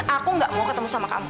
aku gak mau ketemu sama kamu